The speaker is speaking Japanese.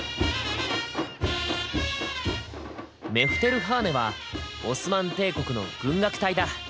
メフテルハーネはオスマン帝国の軍楽隊だ。